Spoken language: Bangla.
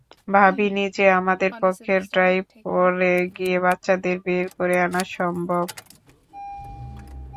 ভাবিনি যে আমাদের পক্ষে ডাইভ করে গিয়ে বাচ্চাদের বের করে আনা সম্ভব।